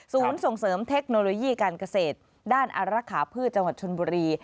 ส่งเสริมเทคโนโลยีการเกษตรด้านอารักษาพืชจังหวัดชนบุรี